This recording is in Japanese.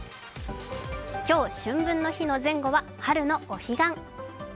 今日、春分の日の前後は春のお彼岸。